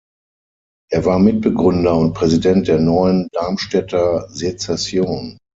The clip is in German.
Er war Mitbegründer und Präsident der Neuen Darmstädter Sezession.